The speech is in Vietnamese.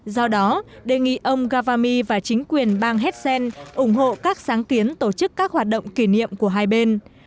do đó đề nghị ông gavami và chính quyền bang hessen ủng hộ các sáng kiến tổ chức các hoạt động kỷ niệm của hai bên